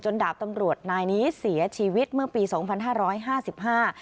ดาบตำรวจนายนี้เสียชีวิตเมื่อปีสองพันห้าร้อยห้าสิบห้า